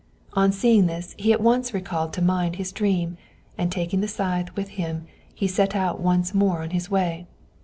On seeing this, he at once recalled to mind his dream, and taking the scythe with him, set out once more on his way.